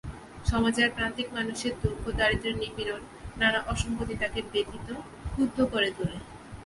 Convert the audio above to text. সমাজের প্রান্তিক মানুষের দুঃখ-দারিদ্র্যের নিপীড়ন, নানা অসংগতি তাঁকে ব্যথিত, ক্ষুব্ধ করে তোলে।